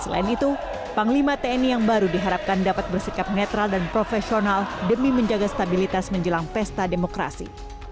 selain itu panglima tni yang baru diharapkan dapat bersikap netral dan profesional demi menjaga stabilitas menjelang pesta demokrasi